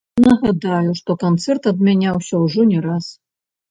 Нагадаю, што канцэрт адмяняўся ўжо не раз.